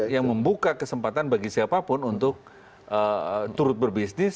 yang membuka kesempatan bagi siapapun untuk turut berbisnis